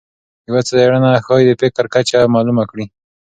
یوه څېړنه ښایي د فقر کچه معلومه کړي.